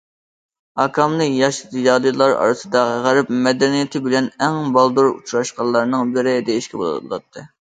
ئاكامنى ياش زىيالىيلار ئارىسىدا غەرب مەدەنىيىتى بىلەن ئەڭ بالدۇر ئۇچراشقانلارنىڭ بىرى دېيىشكە بولاتتى.